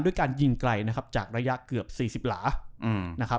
ด้วยการยิงไกลจากระยะเกือบ๔๐หลา